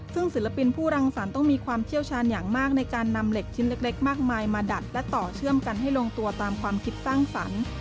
ซึ่งศิลปินผู้รังสรรค์ต้องมีความเชี่ยวชาญอย่างมากในการนำเหล็กชิ้นเล็กมากมายมาดัดและต่อเชื่อมกันให้ลงตัวตามความคิดสร้างสรรค์